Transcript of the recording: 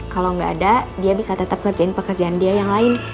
kalau nggak ada dia bisa tetap ngerjain pekerjaan dia yang lain